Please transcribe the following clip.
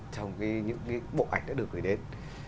trong những bộ ảnh đã được gửi đến